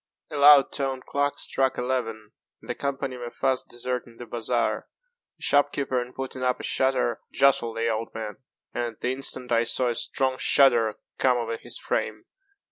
A loud toned clock struck eleven, and the company were fast deserting the bazaar. A shop keeper, in putting up a shutter, jostled the old man, and at the instant I saw a strong shudder come over his frame.